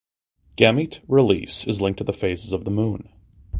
Gamete release is linked to the phases of the moon.